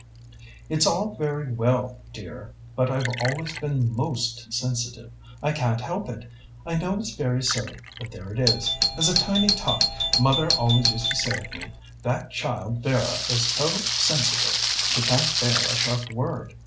"It's all very well, dear, but I've always been most sensitive. I can't help it. I know it's very silly, but there it is. As a tiny tot, mother always used to say of me, 'That child Vera is so sensitive, she can't bear a sharp word.'